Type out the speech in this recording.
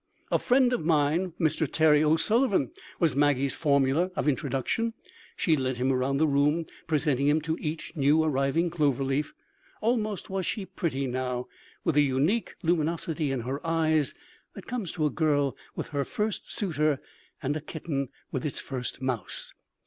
"A friend of mine, Mr. Terry O'Sullivan," was Maggie's formula of introduction. She led him around the room, presenting him to each new arriving Clover Leaf. Almost was she pretty now, with the unique luminosity in her eyes that comes to a girl with her first suitor and a kitten with its first mouse.